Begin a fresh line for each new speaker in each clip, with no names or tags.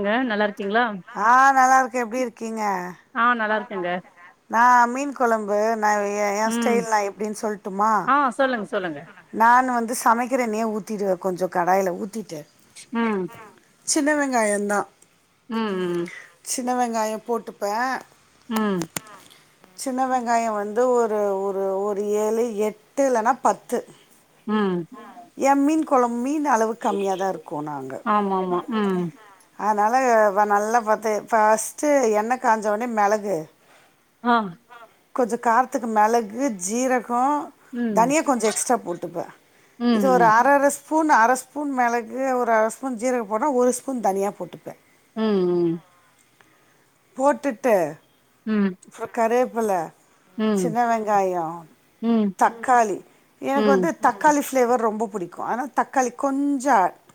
ங்க நல்லா இருக்கீங்களா
ஆ நல்லா இருக்கேன் எப்டி இருக்கீங்க
ஆ நல்லா இருக்கேங்க
நான் மீன் கொழம்பு நான் என் ஏன்
ம்
ஸ்டைல் நான் எப்புடின் சொல்ட்டுமா
ஆ சொல்லுங்க சொல்லுங்க
நானு வந்து சமைக்கிற எண்ணெய ஊத்திடுவேன் கொஞ்சோ கடாயில ஊத்திட்டு
ம்
சின்ன வெங்காயோந்தா
ம் ம் ம்
சின்ன வெங்காயோ போட்டுப்பே
ம்
சின்ன வெங்காயோ வந்து ஒரு ஒரு ஒரு ஏழு எட்டு இல்லன்னா பத்து
ம்
என் மீன் கொழம்பு மீன் அளவு கம்மியாதா இருக்கோ நாங்க
ஆமா ஆமா ம்
அதனால வ நல்லா பாத்து ஃபஸ்ட்டு எண்ணெ காஞ்சோன்னே மெளகு
ஆ
கொஞ்ச காரத்துக்கு மெளகு ஜீரகோ
ம்
தனியா கொஞ்ச எக்ஸ்ட்ரா போட்டுப்ப இது ஒரு
ம்
அர அர ஸ்பூன் அர ஸ்பூன் மெளகு ஒரு அர ஸ்பூன் ஜீரகம் போட்டா ஒரு ஸ்பூன் தனியா போட்டுப்பே
ம் ம்
போட்டுட்டு
ம்
சோ கறேபில்ல
ம்
சின்ன வெங்காயோ
ம் ம்
தக்காளி
ம்
எனக்கு வந்து
ம்
தக்காளி ஃப்ளேவர் ரொம்போ புடிக்கு ஆனா தக்காளி கொஞ்ச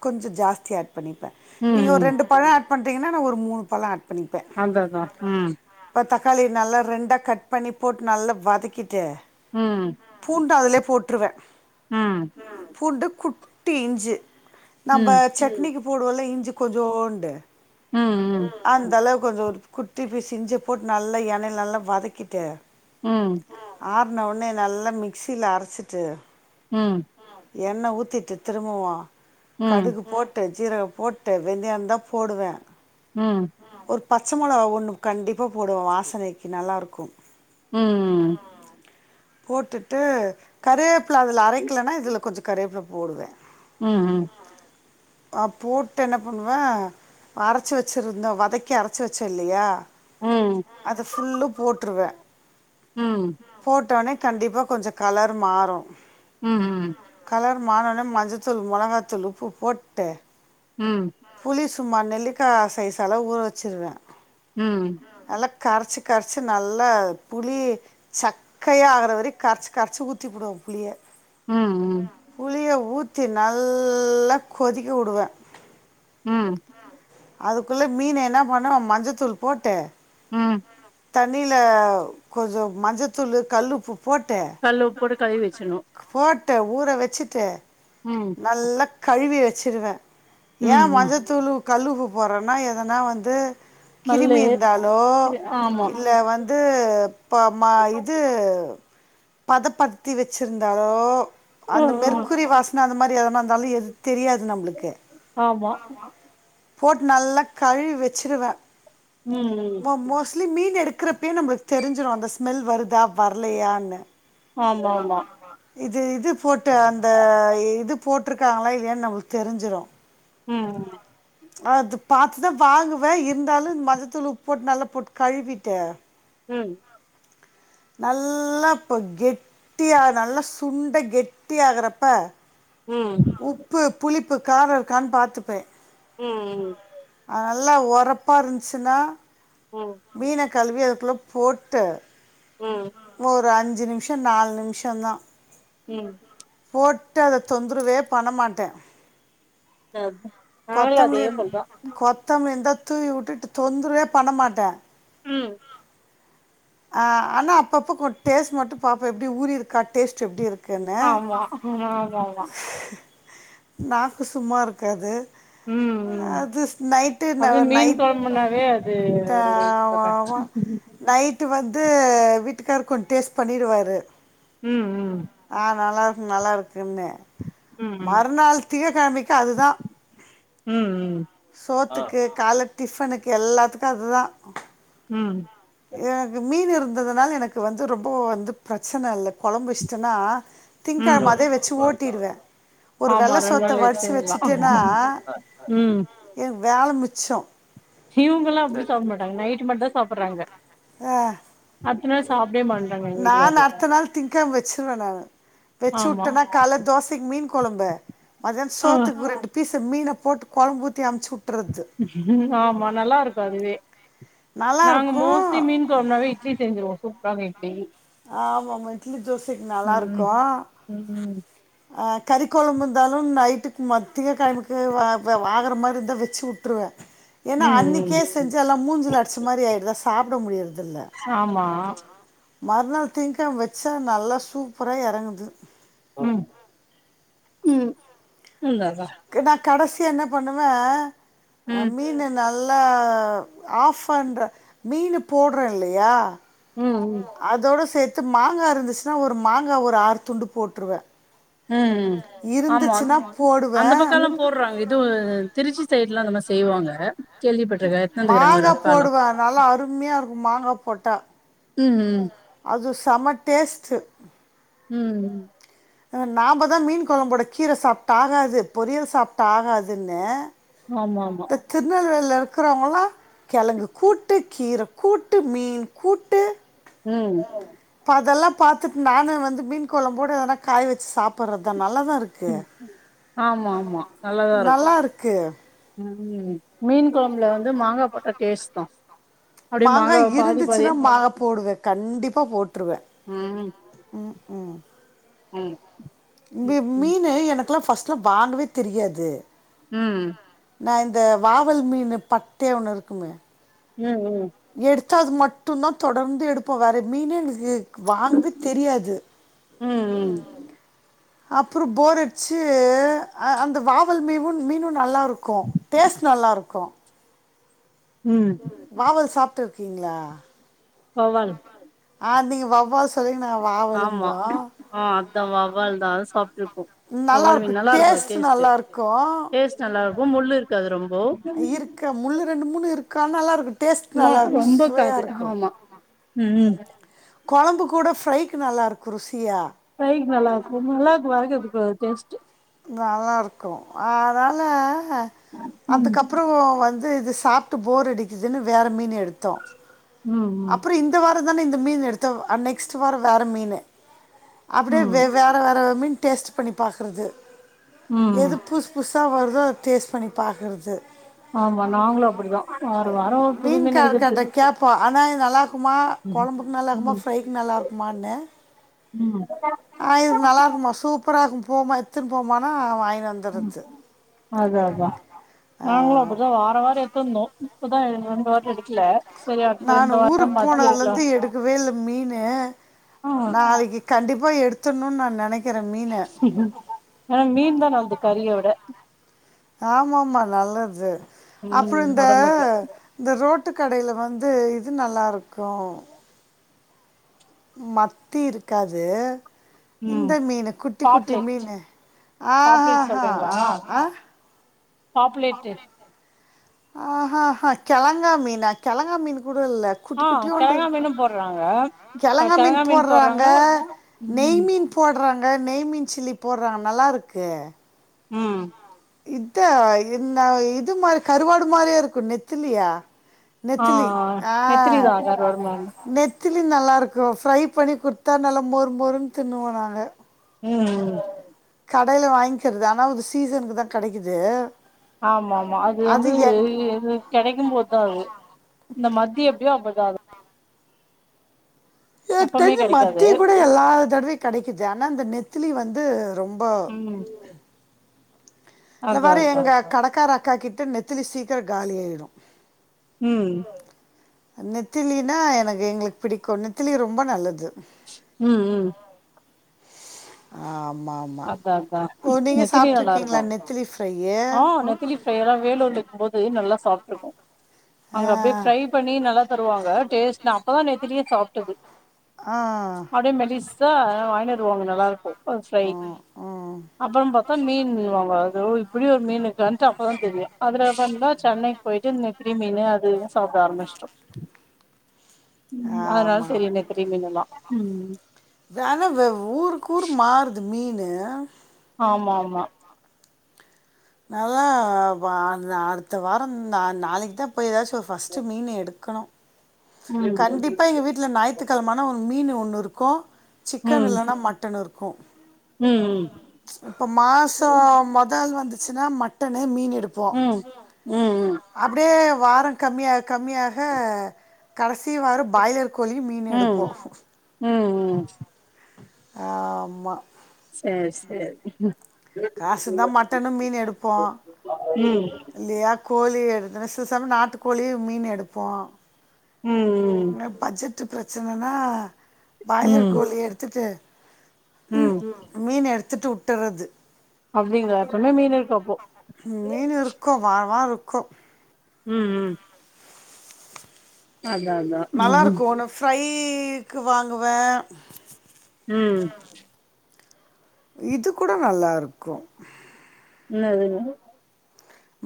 கொஞ்ச ஜாஸ்தி ஆட் பண்ணிப்பே நீங்க ஒரு
ம்
ரெண்டு பழ ஆட் பண்ணுறீங்கனா நா ஒரு மூணு பழ ஆட் பண்ணிப்பே
அத்தாதா ம்
ப்ப தக்காளி நல்லா ரெண்டா கட் பண்ணி போட்டு நல்லா வதக்கிட்டு
ம்
பூண்டு அதுலே போட்ருவே
ம்
பூண்டு குட்டி இஞ்சி நம்ப
ம்
சட்னிக்கு போடுவோல்ல இஞ்சி கொஞ்சோண்டு
ம் ம்
அந்த அளவு கொஞ்ச குட்டி பீஸ் இஞ்ச போட் நல்லா எண்ணெயில நல்லா வதக்கிட்டு
ம்
ஆறுன உன்னே நல்லா மிக்சியில அரச்சிட்டு
ம்
எண்ணெ ஊத்திட்டு திரும்பவும்
ம் ம்
கடுகு போட் ட்டு ஜீரகம் போட்டு வெந்தியந்தா போடுவே
ம்
ஒரு பச்ச மொளகா ஒண்ணு கண்டிப்பா போடுவோ வாசனைக்கி நல்லா இருக்கும்
ம்
போட்டுட்டு கரிவேப்பில அதல அரைக்கலன்னா இதல கொஞ்ச கரிவேபில போடுவே
ம் ம்
அ போட்டு என்ன பண்ணுவ அரச்சு வச்சிருந்த வதக்கி அர ச்சி வச்ச இல்லையா அத ஃபுல்லு போட்டுருவே போட் போட்டோனே கண்டிப்பா கொஞ்ச கலர் மாறு
ம் ம்
கலர் மாற்னோன மஞ்ச தூள் மொளகாத்தூள் உப்பு போட்டு
ம்
புளி சும்மா நெல்லிக்கா சைஸ் அலவு ஊற வச்சிருவே
ம்
நல்லா கரச்சி கரச்சி நல்லா புளி சக்கையா ஆகுற வரி கரச்சு கரச்சு ஊத்தி புடுவ புளிய
ம் ம்
புளிய ஊத்தி நல்லாக் கொதிக்க உடுவே
ம்
அதுக்குள்ள மீன் என்ன பண்ணுவ மஞ்சத்தூள் போட்டு
ம்
தண்ணியில கொஞ்ச மஞ்சத்தூளு கல்லுப்பு போட்டு
கல் உப்போட்டு கழுவி வச்சிர்ணு
போட்டு ஊற வச்சுட்டு
ம்
நல்ல கழுவி வச்சிருவே ஏ
ம் ம்
மஞ்சத்தூளு உப் கல்லுப்பு போறன்னா எதனா வந்து
மல்லு
கிருமி இருந்தாலோ
இது ஆமா
இல்ல வந் இது ப மா இது பதப்படுத்தி வச்சிருந்தாலோ
ம்
அந்த
ம்
மெற்குறி வாசன அந்த மாரி எதனா இந்தாலு எ தெரியாது நம்ளுக்கு
ஆமா
போட்டு நல்லா கழுவி வச்சிருவே
ம் ம்
ம மோஸ்ட்லி மீன் எடுக்குறப்பயே நம்மளுக் தெரிஞ்சிடு அந்த ஸ்மெல் வருதா வர்லையான்னு
ஆமாமா
இது இது போட்டு அந்த இது போட்டுருக்காங்களா இல்லையான் நம்மளுக்கு தெரிஞ்சுரு
ம்
அது பாத்துதா வாங்குவே இருந்தாலு மஞ்சத்தூள் உப்பு போட் நல்லா போட் கழுவிட்டு
ம்
நல்லா இப்ப கெட்டிய நல்லா சுண்ட கெட்டியாகறப்ப
ம்
உப்பு புளிப்பு கார இருக்கான் பாத்துப்பே
ம் ம்
அ நல்லா ஒரப்பா இருந்துச்சுன்னா
ம்
மீன கழுவி அதுக்குள்ள போட்டு
ம்
ஒரு அஞ்சு நிம்ஷோ நால் நிம்ஷோ தா
ம்
போட்டு அத தொந்தரவே பண்ணமாட்டே
அது நாங்களு அதே
கொத்தமிலி
போல்தா
கொத்தமல்லி இருந்தா தூவி விட்டுட்டு தொந்தரவே பண்ண மாட்டே
ம்
ஆ ஆனா அப்பப்ப கொஞ் டேஸ்ட் மட்டு பாப்ப எப்டி ஊறி இருக்கா டேஸ்ட் எப்டி இருக்
ஆமா ஆமாமா
நாக்கு சும்மா இருக்காது
ம் ம் ம்
அது நைட்டு
அதுவே மீன்
நைட்
கொழம்புனாவே அது [unintelligible]
நைட்டு வந்து வீட்டுக்காரு கொஞ் டேஸ்ட் பண்ணிடுவாரு
ம் ம்
ஆ நல்லாகு நல்லாருக்குன்னு
ம் ம்
மறுநாள் திங்க கெழம்பிக்கு அதுதா
ம் ம்
சோத்துக்கு கால டிஃபனுக்கு எல்லாத்துக்கு அது தா
ம்
எனக்கு மீன் இருந்ததுனால எனக்கு வந்து ரொம்போ வந்து பிரச்சன இல்ல கொழம்பு வெச்சிட்டன்னா
ம்
திங்கெழம
ம்
அதே வெச்சு ஓட்டிடுவே ஒரு
ஆமா
வெள்ள
ரெண்டு
சோத்த
நாள்
வடிச்சி
எக்ஸ்சேஞ்ச் தா
வெச்சுட்டேன்னா
ம்
எ வேல மிச்சோ
இவுங்கல்லா அப்டி சாப்ட மாட்டாங்க நைட்டு மட்டுதா சாப்புறாங்க
ஆ
அடுத்த நாள் சாப்டவே மா
நான் அடுத்த நாள் திங்கெழம வெச்சிருவே நானு வெச்சு
ஆமா
வுட்டனா கால தோசைக்கு மீன் கொழம்பு மதியானொ
ஆ
சோத்துக்கு ரெண்டு பீசு மீன போட்டு கொழம்பு ஊத்தி அமுச்சு வுட்
ஆமா நல்லாருக்கு அதுவே நாங்க
நல்லாயிருக்கும்
மோஸ்ட்லி மீன் கொழம்புனாவே இட்லி செஞ்சிருவோ சூப்பரான இட்லி
ஆமமா இட்லி தோசைக்கு நல்லாருக்கு
ம் ம்
அ கறி கொழம்பு இருந்தாலு நைட்டுக்கு மத் திங்க கெழமைக்கு வாற ஆகற மாரி இருந்தா வெச்சு வுட்ருவே ஏனா
ம் ம்
அன்னைக்கே செஞ்சு எல்லா மூஞ்சுல அடிச்சம் மாரி ஆயிடுதா சாப்ட முடியறதில்ல
ஆமா
மறுநாள் திங்கெழம வச்சா நல்லா சூப்பரா எறங்குது
ம் ம் ம் அதா
கு நா கடசியா என்ன பண்ணுவே அ
ம்
மீன் நல்லா ஆஃப் பண்ற மீனு போட்றோ இல்லயா
ம் ம்
அதோட சேத்து மாங்கா இருந்துச்சுனா ஒரு மாங்கா ஒரு ஆறு துண்டு போட்டுருவே
ம் ம் ஆமா அந்த
போடுவேன்
பக்கல்லா போட்றாங்க இது திருச்சி சைட் லா அந்த மார் செய்வாங்க கேள்விப்பட்ருக்கே எட்த்துனு வந்துக்கிறாங்க ஒரு
மாங்கா
அக்காலா
போடுவே நல்லா அருமையா இருக்கு மாங்கா போட்டா
ம் ம்
அது செம டேஸ்ட்டு
ம் ம்
அ நாம தா மீன் கொழம்போட கீர சாப்ட்டா ஆகாது பொரியல் சாப்ட்டா ஆகாதுன்னு
ஆமாமா
இந்த திருநெல்வேலில இருக்குறவங்களா கெழங்கு கூட்டு கீர கூட்டு மீன் கூட்டு
ம்
க்கதெல்லா பாத்துட்டு நானு வந்து மீன் கொழம்போட எதனா காய் வச்சு சாப்புட்றதா நல்லதா இருக் கு
ஆமா ஆமா நல்லாதா இருக்கு
நல்லாருக்கு
ம் மீன் கொழம்புல வந்து மாங்கா போட்டா டேஸ்ட் தா அப்டியே
மாங்கா
மாங்காவ பாதி பாதி
இருந்துச்சுன்னா மாங்கா போடுவே கண்டிப்பா போட்ருவ ம் ம்
ஆ
மீ மீனு எனக்கெல்லா ஃபஸ்ட் எல்லா வாங்கவே தெரியாது
ம்
நா இந்த வாவல் மீனு பட்டையா ஒன்னு இருக்குமே
ம் ம்
எடுத்தா அது மட்டு தா தொடர்ந்து எடுப்போ வேற மீனே எங்களுக்கு வாங்கவே தெரியாது
ம் ம்
அப்றோ ஃபோர் அடிச்சி அந்த வாவல் மீவு மீனு நல்லா இருக் கு டேஸ்ட் நல்லா இருக்கு
ம்
வாவல் சாப்பிட்டு இருக்கீங்களா
வவ்வால்
ஆ நீங்க வவ்வாள் சொல்றீங்க நா வாவ
ஆமா ஆ அதா வவ்வாள்தா அது சாப்ட்டு இருக்கோ வவ்வாள் மீனு
இருக்கும்
நல்லா இருக்கு அது
டேஸ்ட்
டேஸ்ட்டு
நல்லா இருக்கும்
டேஸ்ட் நல்லா இருக்கு முள்ளு இருக்காது ரொம்போ
இருக்கு முள்ளு ரெண்டு மூணு இருக்கு ஆனா நல்லா இருக்கு
சும்மா ரொம்ப இக்காது ஆமா ம்
கொழம்பு கூட ஃப்ரைக்கு நல்லாயிருக்கு ருசியா
ஃப்ரைக்கு நல்லா இருக்கு நல்லா இருக்கு வறக்கறதுக்கு டேஸ்ட்டு
நல்லா இருக்கு அதனால
ம்
அதுக்கப்றோ வந்து இது சாப் டு ஃபோர் அடிக்குதுன்னு வேற மீன் எடுத்தோ
ம் ம்
அப்றோ இந்த வாரோ தானே இந்த மீன் எடுத்தோ நெக்ஸ்ட் வாரோ வேற மீன் அப்டியே
ம்
வேற வேற மீன் டேஸ்ட் பண்ணி பாக்குறது எது
ம்
பு புதுசா வருதோ அத டேஸ்ட் பண்ணி பாக்குறது
ஆமா நாங்களு அப்பிடிதா வார வாரோ ஒரு புது மீன் எடுக்கிறது
கேப்பா அண்ணா இது நல்லா இருக்குமா கொழம்புக்கு நல்லா
ம்
இருக்குமா ஃப்ரைக்கு நல்லா இருக்குமானு
ம்
ஆ இதுக்கு நல்லா இருக்குமா சூப்பரா இருக்கு போமா எத்துன்னு போமானா வாங்கினு
ம்
வந்துறது
அதா அதா நாங்களு அப்பிடிதா வார வாரோ எத்திருந்தோ இப்பதா ரெண்டு வாட்டி எடுக்கல சரி அடுத்த
நானு
இந்த வாரோ
ஊருக்
மத்தி எடுக்கலா
போனதுலந்து எடுக்கவேல்ல மீனு
ஆ
நாளக்கி கண்டிப்பா எடுத்துர்ணுன் நா நெனக்கிறே மீன
ஆனா மீன் தா நல்து கறியவிட
ஆமாமா நல்லது அப்றோ
ம்
இந்த
ஒடம்புக்கு
இந்த ரோட்டு கடைல வந்து இது நல்லாருக்கு மத்தி இருக்காது
ம்
இந்த மீனு குட்டி குட்டி
பாப்லேட்
மீனு ஆ ஹா ஹா ஆ ஆ
பாப்லெட்டு
ஆஹாஹா கெழங்கா மீனா கெழங்கா மீன் கூட இல்ல குட்டி
ஆ
குட்டியூண்டு
கெழங்கா
இருக்கு
மீனு போடுறாங்க
கெழங்கா மீன் போட்றாங்க நெய்
ம்
மீன் போட்றாங்க நெய் மீன் சில்லி போட்றாங்க நல்லா இருக்கு
ம்
இது இந்த இது மாரி கருவாடு மாரி இருக்கு நெத்திலியா
ஆ
நெத்திலி ஆ
நெத்திலிதா
நெ
கருவாடு மாரி
நெத்திலி நல்லா இருக்கு ஃப்ரை பண்ணி குடுத்தா நல்லா மொரு மொருன்னு தின்னுவோ நாங்க
ம்
கடையில வாங்கிக்கிறது ஆனா ஒரு சீசன்க்கு தா கெடைக்குது
ஆமா ஆமா அது வந்து எது கெடைக்கும்போது தா அது இந்த மத்தி எப்டியோ அப்டிதா அது
எனக்கு
எப்பவுமே
தெரிஞ்சு
கெடைக்காது
மத்தி கூட எல்லா கடையியு கெடக்குது ஆனா இந்த நெத்திலி வந்து ரொம்ப
ம்
இதுல
அதா
வேற
அதா
எங்க கடக்கார அக்கா கிட்ட நெத்திலி சீக்கிர காலி ஆயிரு
ம்
நெத்திலினா எனக்கு எங்ளுக் பிடிக்கு நெத்திலி ரொம்ப நல்லது
ம் ம்
ஆமா ஆமா
அதா அதா
ஓ நீங்க
நெத்திலி
சாப்பிட்ருக்கீங்களா
நல்லாருக்கு
நெத்திலி ஃப்ரையு
ஆ நெத்திலி [unintelligible] வேலூர்ல இருக்கும்போது நல்லா சாப்ட்ருக்கோ
ஆ
அங்க அப்டே ஃப்ரை பண்ணி நல்லா தருவாங்க டேஸ்ட் நா அப்பதா நெத்திலியே சாப்ட்டது
ஆ
ச்சா ஆனால வாய்ன் வருவாங்க நல்லாருக்கு அது ஃப்ரை
ம் ம்
அப்பறோ பாத்தா மீன்னுவாங்க அது இப்டி ஒரு மீன் இருக்கான்ட்டு அப்ப தா தெரியு அதுலந்துதா சென்னை போய்ட்டு நெத்திலி மீனு அது இதுன் சாப்ட ஆரம்மிச்ட்டோ ம் அதனால
ஆமா ஆமா
தெரியு நெத்திலி மீனெல்லா ம்
வெல வெ ஊருக்கூரு மாறுது மீனு
ஆமாமா
நாலா அ அடுத்த வாரோ நா நாளக்கி தா போய் எதாச்சு ஃபஸ்ட்டு மீனு எடுக்கனு
ம்
கண்டிப்பா எங்க வீட்ல ஞாய்த்து கெழமானா ஒரு மீன் ஒன்னு இருக்கு சிக்கன்
ம்
இல்லனா மட்டன் இருக்கு
ம்
இப்ப
ம்
மாசோ மொதல் வந்துச்சுன்னா மட்டனு மீன் எடுப் போ
ம் ம் ம்
அப்டியே வாரோ கம்மியா கம்மியாக கடசி வாரோ பாய்லர் கோழி
ம்
மீன்னெடுப்போ
ம் ம்
ஆமா
சேர் சேரி
காசுந்தா மட்டனு மீனு எடுப்போ
ம்
இல்லியா கோழி எடுத்துன சில சமயோ நாட்டு கோழி மீனு எடுப்போ
ம் ம்
பஜ்ஜெ ட்டு பிரச்சனனா பாய்லர்
ம்
கோழி எடுத்துட்டு
ம்
மீன் எடுத்துட்டு வுட்டறது
அப்டிங்ளா அப்பன்னா மீன்னிருக்கு அப்போ
மீன் இருக்கு வார்வார் இருக்கு
ம் ம் அதா அதா ம்
நல்லாருக்கு ஒன்னு ஃப்ரைக்கு வாங்குவே
ம்
இது கூட நல்லாருக்கு
இன்னாதுங்க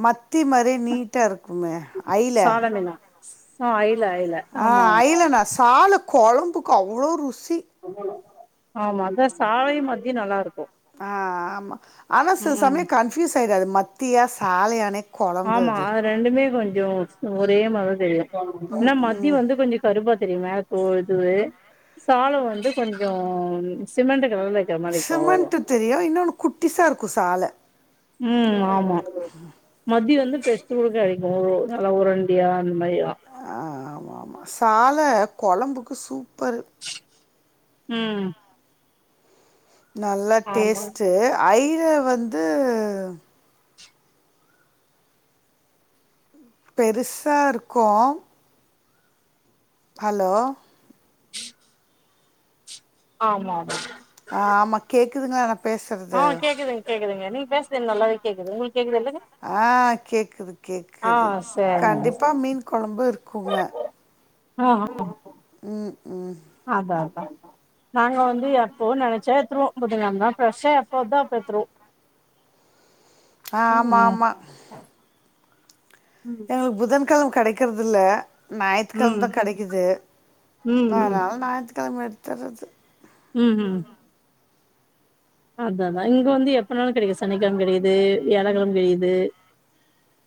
மத்தி மாரியே நீட்டாருக்குமே
சாலமீனா ஆ அயில அயில
ஆ அய்லனா சால கொழம்புக்கு அவ்ளோ ருசி
ஆமா அதா சாலையு மத்தியு நல்லாருக்கு
ஆ ஆமா ஆனா சில சமயோ கன்ஃபியூஸ் ஆயிராது மத்தியா சாலயானே
ஆமா அது ரெண்டுமே கொஞ்சோ ஒரே மார்தா தெரியு
ம்
ன்னா மத்தி வந்து கொஞ்சோ கருப்பா தெரியு மேல தோல் இதுவு சால வந்து கொஞ்சோ சிமெண்ட்டு கலர்ல இருக்கிற மாரி இருக்கு அவ்ளோதா
சிமெண்ட்டு தெரியு இன்னொன்னு குட்டிசாருக்கு சால
ம் ஆமா மத்தி வந்து பெர்சு கூட கெடைக்கும் நல்லா உரண்டியா அந்த மாரி
ஆ ஆம்மாமா சால கொழம்புக்கு சூப்பரு
ம்
நல்லா
ஆமா
டேஸ்ட்டு ஐர வந்து பெருசாருக்கும் ஹலோ
ஆமாமா
ஆமா கேக்குதுங்களா நா
ஆ
பேசுறது
கேக்குதுங்க கேக்குதுங்க நீங்க பேசது நல்லாவே கேக்குது உங்களுக்கு கேக்குதுல்லங்க
ஆ கேக்குது கேக்குது
சரிங்க
கண்டிப்பா மீன் கொழம்பு இருக்குங்க
ம் ம்
ம் ம்
அதா அதா நாங்க வந்து எப்பவு நெனச்சா [unintelligible] ஃப்ரெஷா எப்போ வர்தோ [unintelligible]
ஆ
ம்
ஆமா ஆமா
ம்
புதன்கெழம கெடைக்கற்தில்ல ஞாயித்துக்கெழம
ம்
தா கெடைக்குது
ம் ம்
அதனால ஞாயித்துக்கெழம எடுத்துர்றது
ம் ம் அதா அதா இங்க வந்து எப்பனாலும் கெடைக்குது சனிக்கெழம கெடைக்குது வியாழக்கெழம கெடைக்குது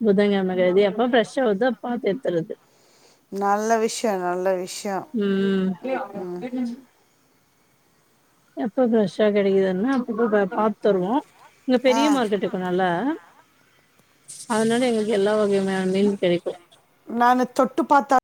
புதங்கெழம கெடைக்குது எப்போ ஃப்ரெஷ்ஷா வர்தோ அப்போ பாத்து எடுத்துர்றது
நல்ல விஷ்யோ நல்ல விஷ்யோ
ம்
ம் ம்
எப்போ ப்ரெஷ்ஷா கெடைக்குதுன்னு அப்ப பாத்தருவோம் இங்க
ஆ
பெரிய மார்க்கெட்டிருக்குன்னல்லா அதனால எங்களுக்கு எல்லா வகையான மீன் கெடைக்கும்
நானு தொட்டு பாத்தா